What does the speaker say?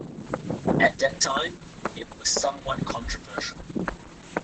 At the time, it was somewhat controversial.